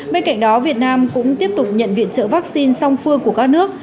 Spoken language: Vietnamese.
bên cạnh đó việt nam cũng tiếp tục nhận viện trợ vaccine song phương của các nước